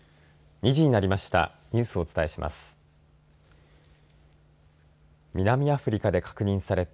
２時になりました。